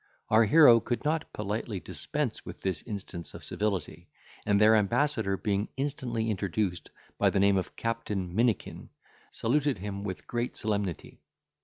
Our hero could not politely dispense with this instance of civility, and their ambassador being instantly introduced by the name of Captain Minikin, saluted him with great solemnity.